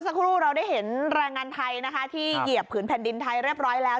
เรียบเข้าไปสักครู่เราได้เห็นแรงงานไทยที่เหยียบพื้นแผ่นดินไทยเรียบร้อยแล้ว